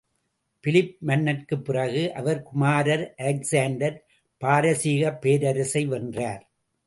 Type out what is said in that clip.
Philip மன்னர்க்குப் பிறகு, அவர் குமாரர் அலெக்சாண்டர் பாரசீகப் பேரரசை வென்றார்.